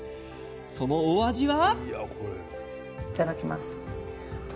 そのお味は？